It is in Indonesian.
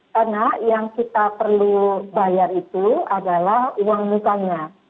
karena yang kita perlu bayar itu adalah uang misalnya